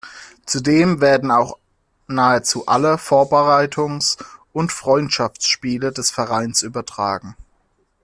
Zudem werden auch nahezu alle Vorbereitungs- und Freundschaftsspiele des Vereins übertragen.